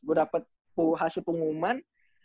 gue dapet hasil pengumuman